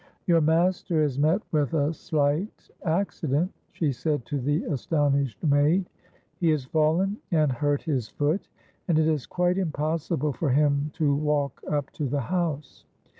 "Your master has met with a slight accident," she said to the astonished maid. "He has fallen and hurt his foot, and it is quite impossible for him to walk up to the house.